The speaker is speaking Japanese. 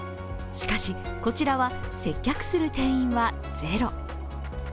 しかしこちらは接客する店員はゼロ。